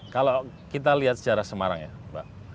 kalau kita lihat sejarah semarang ya mbak